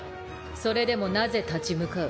それでもなぜ立ち向かう？